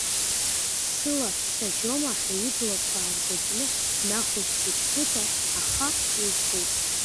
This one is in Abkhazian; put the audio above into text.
Сыла сажьома ҳәа, иблақәа аарҟәыҷны, днахәаԥшит Фыта, аха усоуп…